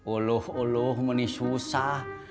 uluh uluh meni susah